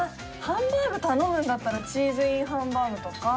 ハンバーグ頼むんだったらチーズＩＮハンバーグとか。